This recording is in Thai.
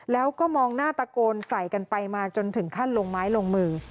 แล้วก็มองหน้าตะโกนใส่กันไปมาจนถึงขั้นลงไม้ลงมือ